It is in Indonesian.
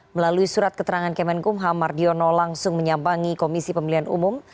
melalui surat keterangan kemenkumham mardiono langsung menyambangi komisi pemilihan umum